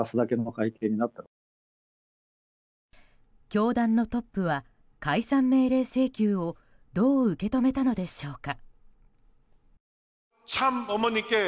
教団のトップは解散命令請求をどう受け止めたのでしょうか。